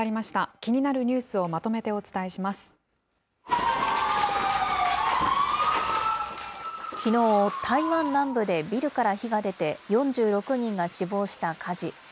気になるニュースをまとめてお伝きのう、台湾南部でビルから火が出て、４６人が死亡した火事。